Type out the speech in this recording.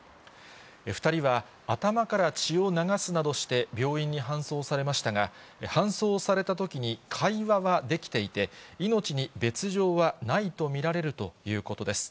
２人は、頭から血を流すなどして病院に搬送されましたが、搬送されたときに会話はできていて、命に別状はないと見られるということです。